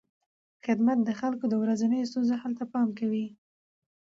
خدمت د خلکو د ورځنیو ستونزو حل ته پام کوي.